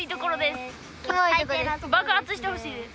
爆発してほしいです。